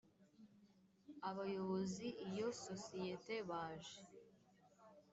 abayobozi iyo sosiyete baje